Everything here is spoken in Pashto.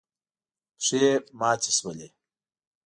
پښې ماتې شولې.